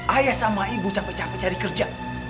ayah sama ibu capek capek cari kerja